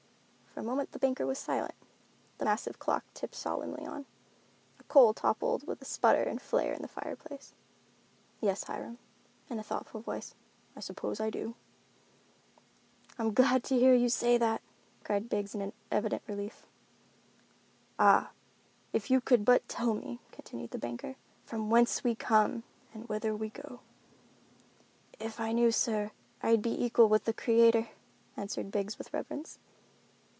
For a moment the banker was silent; the massive clock ticked solemnly on. A coal toppled with a sputter and flare in the fireplace. "Yes, Hiram," in a thoughtful voice, "I suppose I do." "I'm glad to hear you say that," cried Biggs in very evident relief. "Ah, if you could but tell me," continued the banker, "from whence we come, and whither we go?" "If I knew, sir, I'd be equal with the Creator," answered Biggs with reverence.